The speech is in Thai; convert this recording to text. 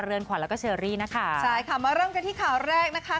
ขวัญแล้วก็เชอรี่นะคะใช่ค่ะมาเริ่มกันที่ข่าวแรกนะคะ